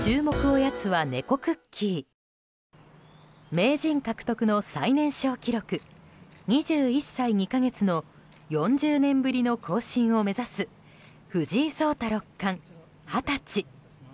名人獲得の最年少記録２１歳２か月の４０年ぶりの更新を目指す藤井聡太六冠、二十歳。